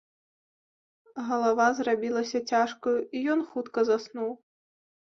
Галава зрабілася цяжкаю, і ён хутка заснуў.